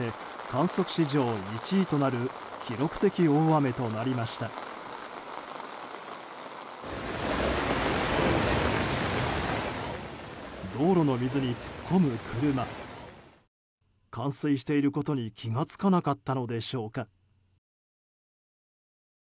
冠水していることに気が付かなかったのでしょうか。